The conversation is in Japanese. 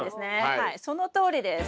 はいそのとおりです。